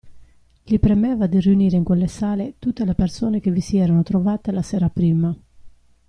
Gli premeva di riunire in quelle sale tutte le persone che vi si erano trovate la sera prima.